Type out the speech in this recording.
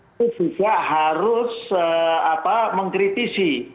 itu juga harus mengkritisi